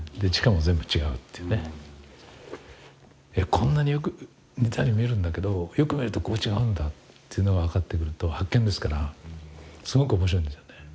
こんなによく似たように見えるんだけどよく見るとここ違うんだというのが分かってくると発見ですからすごく面白いんですよね。